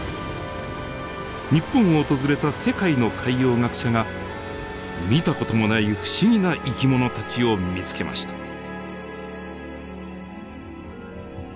日本を訪れた世界の海洋学者が見た事もない不思議な生き物たちを見つけました。